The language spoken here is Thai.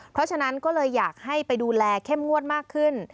เพราะฉะนั้นก็เลยอยากให้ไปดูแลเข้มงวดมากขึ้น